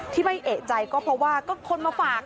ไม่เอกใจก็เพราะว่าก็คนมาฝาก